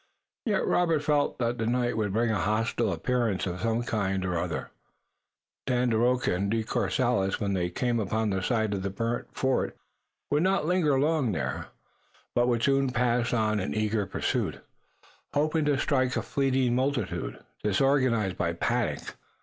Yet Robert felt that the night would bring a hostile appearance of some kind or other. Tandakora and De Courcelles when they came upon the site of the burned fort would not linger long there, but would soon pass on in eager pursuit, hoping to strike a fleeing multitude, disorganized by panic.